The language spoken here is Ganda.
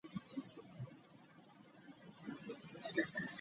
Omulangira mutebi ne kabejja .